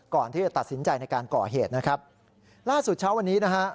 ก่อนที่จะตัดสินใจในการก่อเหตุนะครับล่าสุดเช้าวันนี้นะฮะ